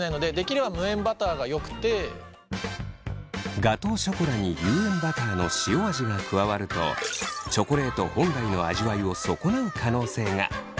ガトーショコラに有塩バターの塩味が加わるとチョコレート本来の味わいを損なう可能性が。